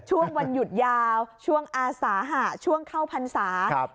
ช่วงวันหยุดยาวช่วงอาสาหะช่วงเข้าพรรษา